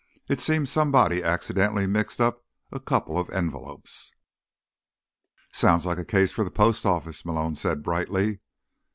It seems somebody accidentally mixed up a couple of envelopes." "Sounds like a case for the Post Office," Malone said brightly.